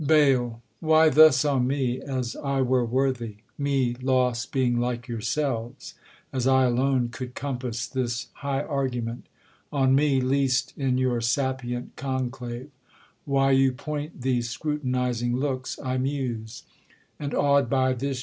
Baal, Why thus on me, as I were worthy ; me, Lost being like yourselves ; as I alone Could compass this high argument ; on me, Least in your sapient conclave ; why you point These scrutinizing looks, I muse ; and, aw'd By this yoi!